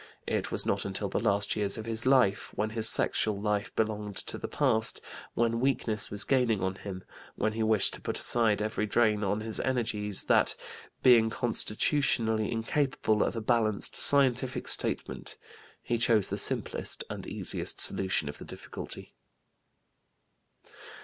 It was not until the last years of his life, when his sexual life belonged to the past, when weakness was gaining on him, when he wished to put aside every drain on his energies, that being constitutionally incapable of a balanced scientific statement he chose the simplest and easiest solution of the difficulty.